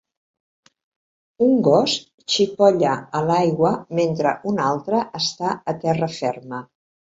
Un gos xipolla a l'aigua mentre un altre està a terra ferma.